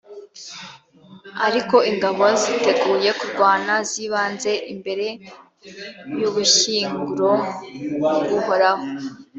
ariko ingabo ziteguye kurwana zibanze imbere y’ubushyinguro bw’uhoraho.